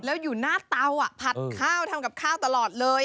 แล้วอยู่หน้าเตาผัดข้าวทำกับข้าวตลอดเลย